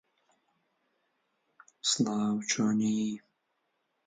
بەخۆشحاڵییەوە چالێنجەکەت قبوڵ دەکەم.